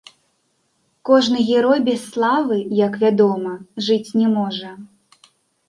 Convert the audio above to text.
Кожны герой без славы, як вядома, жыць не можа.